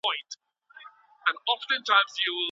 تر بام لاندي یې مخلوق تر نظر تېر کړی